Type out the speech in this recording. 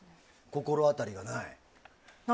心当たりがない？